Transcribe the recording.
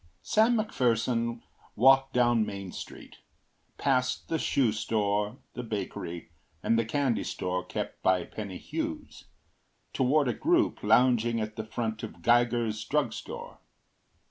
Sam McPherson walked down Main Street, past the shoe store, the bakery, and the candy store kept by Penny Hughes, toward a group lounging at the front of Geiger’s drug store.